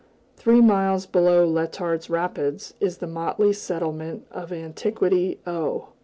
Three miles below Letart's Rapids, is the motley settlement of Antiquity, O.